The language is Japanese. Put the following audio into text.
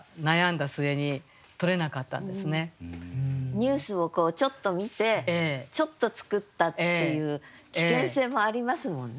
ニュースをちょっと見てちょっと作ったっていう危険性もありますもんね。